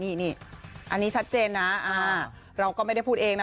นี่อันนี้ชัดเจนนะเราก็ไม่ได้พูดเองนะ